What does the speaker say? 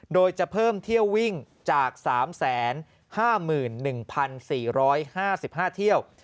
โดยจะเพิ่มเที่ยววิ่งจาก๓๕๑๔๕๕เที่ยว